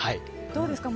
どうですか。